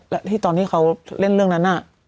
และที่ตอนที่เขาเล่นเรื่องนั้น